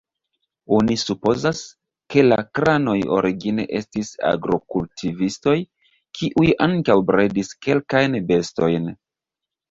Oni supozas, ke la kranoj origine estis agrokultivistoj, kiuj ankaŭ bredis kelkajn bestojn.